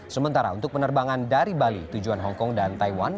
sementara untuk penerbangan dari bali tujuan hongkong dan taiwan